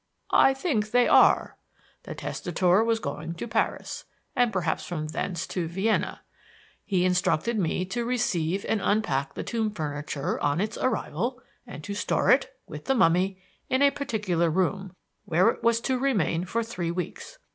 "I think they are. The testator was going to Paris, and perhaps from thence to Vienna. He instructed me to receive and unpack the tomb furniture on its arrival, and to store it, with the mummy, in a particular room, where it was to remain for three weeks.